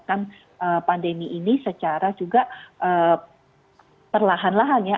dan kita bisa melakukan pandemi ini secara juga perlahan lahan ya